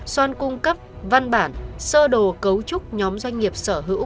xoan cung cấp văn bản sơ đồ cấu trúc nhóm doanh nghiệp sở hữu